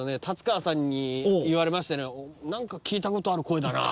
達川さんに言われましてね「何か聞いたことある声だな」